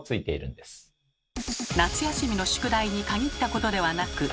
夏休みの宿題に限ったことではなく。